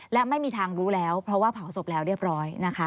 และไม่มีทางรู้แล้วเพราะว่าเผาศพแล้วเรียบร้อยนะคะ